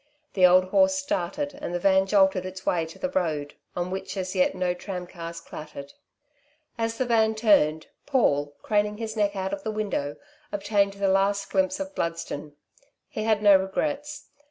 The old horse started and the van jolted its way to the road, on which as yet no tramcars clattered. As the van turned, Paul, craning his neck out of the window, obtained the last glimpse of Bludston. He had no regrets.